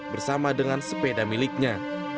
bersama dengan sepeda miliknya